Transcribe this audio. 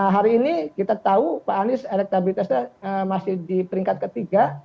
hari ini kita tahu pak anies elektabilitasnya masih di peringkat ketiga